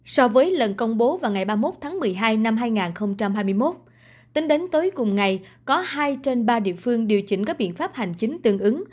so với lần công bố vào ngày ba mươi một tháng một mươi hai năm hai nghìn hai mươi một tính đến tối cùng ngày có hai trên ba địa phương điều chỉnh các biện pháp hành chính tương ứng